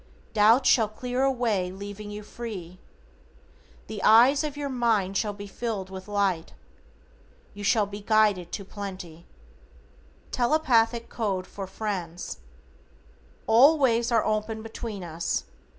Doubts shall clear away leaving you free. The eyes of your mind shall be filled with light. You shall be guided to plenty. =TELEPATHIC CODE FOR FRIENDS:= All ways are open between us.